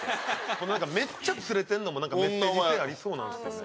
このなんかめっちゃ釣れてるのもなんかメッセージ性ありそうなんですよね。